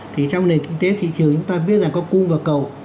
thì trong nền kinh tế thị trường chúng ta biết là có cu và cầu